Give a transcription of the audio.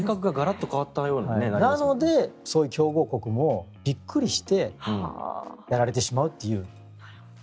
なので、そういう強豪国もびっくりしてやられてしまうという。